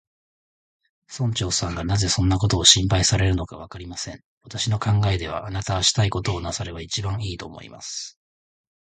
村長さんがなぜそんなことを心配されるのか、わかりません。私の考えでは、あなたはしたいことをなさればいちばんいい、と思います。